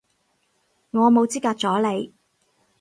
我冇資格阻你